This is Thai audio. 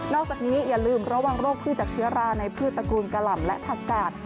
อกจากนี้อย่าลืมระวังโรคพืชจากเชื้อราในพืชตระกูลกะหล่ำและผักกาด